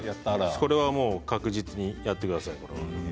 これは確実にやってください。